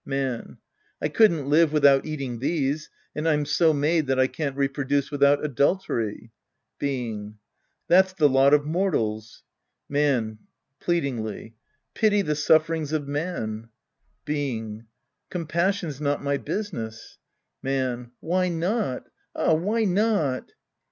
Man. I couldn't live witliout eating these, and I'm so made that I can't reproduce without adultery. Being. That's the lot of mortals. Man {pleadingly), tity the sufferings of man. Being. Compassion's not my business. Man. Why not .? Ah, why not